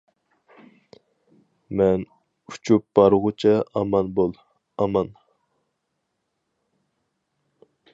مەن ئۇچۇپ بارغۇچە ئامان بول، ئامان!